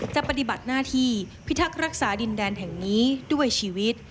ปฏิบัติหน้าที่พิทักษ์รักษาดินแดนแห่งนี้ด้วยชีวิต